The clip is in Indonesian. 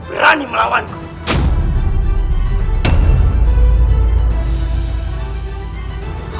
berani melawan kita